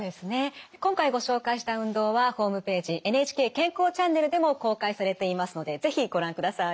今回ご紹介した運動はホームページ「ＮＨＫ健康チャンネル」でも公開されていますので是非ご覧ください。